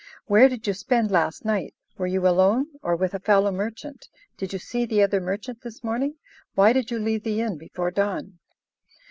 "Where did you spend last night? Were you alone, or with a fellow merchant? Did you see the other merchant this morning? Why did you leave the inn before dawn?"